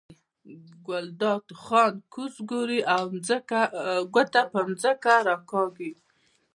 ګلداد خان کوز ګوري او ګوته په ځمکه راکاږي.